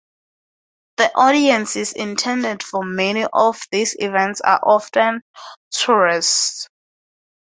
The audiences intended for many of these events are often tourists.